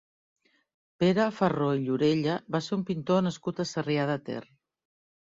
Pere Farró i Llorella va ser un pintor nascut a Sarrià de Ter.